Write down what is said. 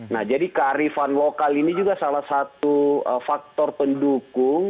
nah jadi kearifan lokal ini juga salah satu faktor pendukung